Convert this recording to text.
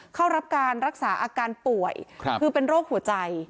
เข้ารับการรักษาอาการป่วยคือเป็นโรคหัวใจ